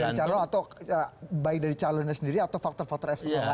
baik dari calon atau baik dari calonnya sendiri atau faktor faktor lainnya